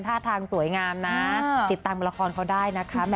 ท่าทางสวยงามนะติดตามละครเขาได้นะคะ